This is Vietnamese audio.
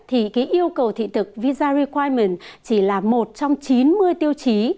thì yêu cầu thị thực visa requirement chỉ là một trong chín mươi tiêu chí